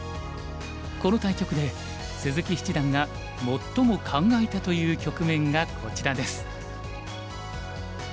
この対局で鈴木七段が最も考えたという局面がこちらです。